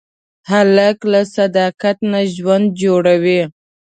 هلک له صداقت نه ژوند جوړوي.